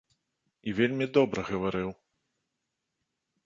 І вельмі добра гаварыў!